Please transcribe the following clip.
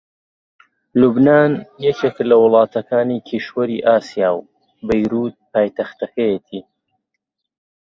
لوبنان یەکێکە لە وڵاتەکانی کیشوەری ئاسیا و بەیرووت پایتەختەکەیەتی